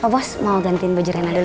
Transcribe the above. oh bos mau gantiin baju rena dulu ya